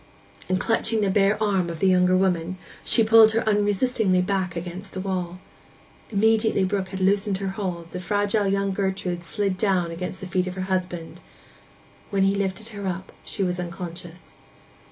And clutching the bare arm of the younger woman, she pulled her unresistingly back against the wall. Immediately Brook had loosened her hold the fragile young Gertrude slid down against the feet of her husband. When he lifted her up she was unconscious.